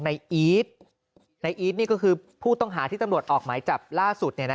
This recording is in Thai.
อีทในอีทนี่ก็คือผู้ต้องหาที่ตำรวจออกหมายจับล่าสุด